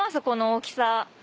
この大きさ。